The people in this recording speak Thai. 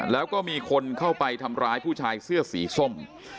แล้วก็มีคนเข้าไปทำร้ายผู้ชายเสื้อสีส้ม